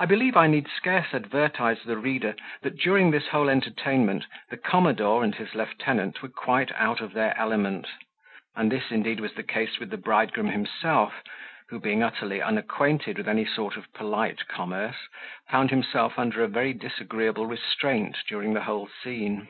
I believe I need scarce advertise the reader that, during this whole entertainment, the commodore and his lieutenant were quite out of their element; and this, indeed, was the case with the bridegroom himself, who being utterly unacquainted with any sort of polite commerce, found himself under a very disagreeable restraint during the whole scene.